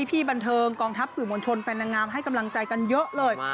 พี่บันเทิงกองทัพสื่อมวลชนแฟนนางงามให้กำลังใจกันเยอะเลย